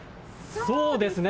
そうですね。